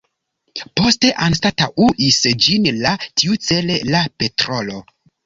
Poste anstataŭis ĝin la tiucele la petrolo.